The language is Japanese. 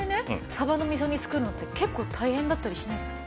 さばの味噌煮作るのって結構大変だったりしないですか？